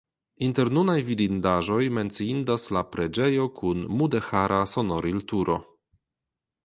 Inter nunaj vidindaĵoj menciindas la preĝejo kun mudeĥara sonorilturo.